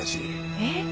えっ？